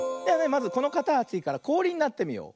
まずこのかたちからこおりになってみよう。